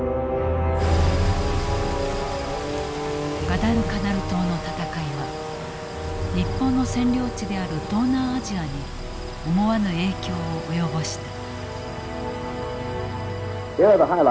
ガダルカナル島の戦いは日本の占領地である東南アジアに思わぬ影響を及ぼした。